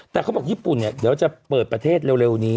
แต่เขาบอกญี่ปุ่นเนี่ยเดี๋ยวจะเปิดประเทศเร็วนี้